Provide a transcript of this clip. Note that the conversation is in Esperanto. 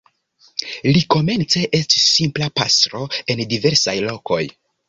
Li komence estis simpla pastro en diversaj lokoj.